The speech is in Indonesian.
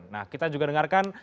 nah kita juga dengarkan